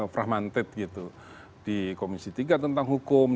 fragmented gitu di komisi tiga tentang hubungan dengan dpr dan dpr